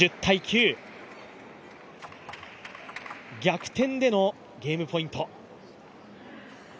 逆転でのゲームポイント。